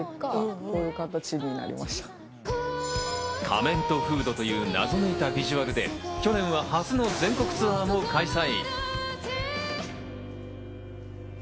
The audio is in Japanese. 仮面とフードという謎めいたビジュアルで去年は初の全国ツアーを開催。